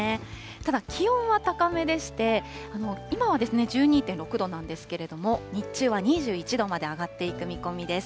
ただ気温は高めでして、今は１２．６度なんですけれども、日中は２１度まで上がっていく見込みです。